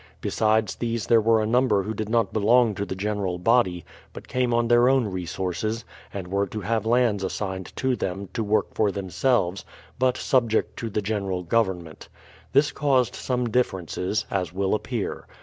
Besides these there were a number who did not belong to the general body, but came on their own resources, and were to have lands assigned to them, to work for themselves, — but sub ject to the general Government. This caused some dififer ences, as will appear.